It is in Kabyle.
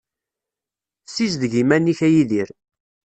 Ssizdeg iman-ik a Yidir.